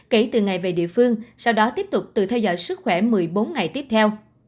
kể từ ngày về địa phương sau đó tiếp tục tự theo dõi sức khỏe một mươi bốn ngày tiếp theo